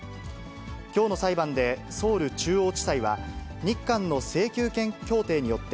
きょうの裁判でソウル中央地裁は、日韓の請求権協定によって、